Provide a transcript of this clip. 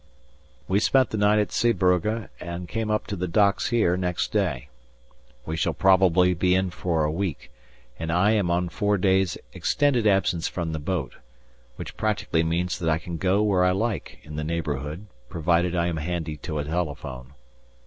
We spent the night at Zeebrugge and came up to the docks here next day. We shall probably be in for a week, and I am on four days' "extended absence from the boat," which practically means that I can go where I like in the neighbourhood provided I am handy to a telephone.